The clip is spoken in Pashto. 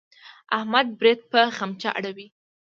احمد برېت په خمچه اړوي.